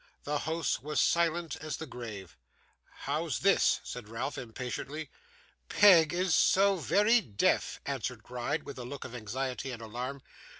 The house was silent as the grave. 'How's this?' said Ralph impatiently. 'Peg is so very deaf,' answered Gride with a look of anxiety and alarm.